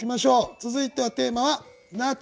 続いてはテーマは「夏」。